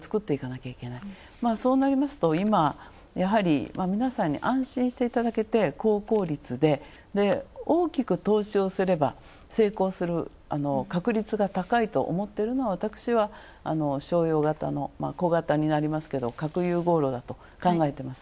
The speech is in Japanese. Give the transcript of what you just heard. そうなりますと今、皆さんに安心していただけて高効率で大きく投資をすれば成功する確率が高いと思っているのは、私は商用型の小型になりますけど核融合、考えてます。